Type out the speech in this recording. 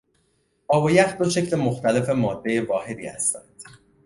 آب و یخ دو شکل مختلف مادهی واحدی هستند.